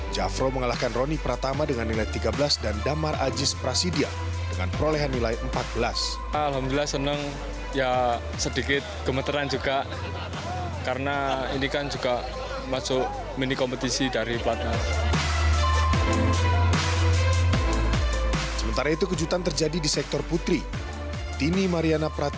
jangan lupa like share dan subscribe channel ini